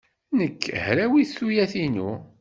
Nekk hrawit tuyat-inu.